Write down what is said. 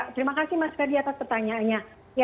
terima kasih mas kadi atas pertanyaannya